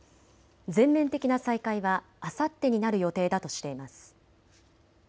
全面的な再開はあさってになる予定だとしています。